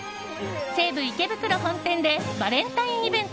西武池袋本店でバレンタインイベント